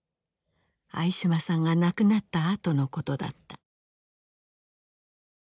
相嶋さんが亡くなったあとのことだった。